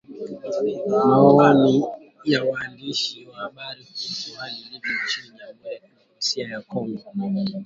Maoni ya waandishi wa habari kuhusu hali ilivyo nchini Jamhuri ya kidemokrasia ya Kongo